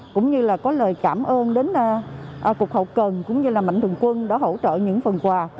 cũng như là có lời cảm ơn đến cục hậu cần cũng như là mạnh thường quân đã hỗ trợ những phần quà